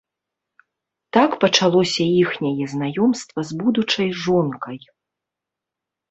Так пачалося іхняе знаёмства, з будучай жонкай.